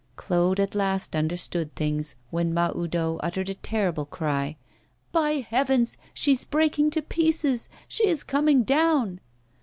Claude at last understood things, when Mahoudeau uttered a terrible cry. 'By heavens, she's breaking to pieces! she is coming down!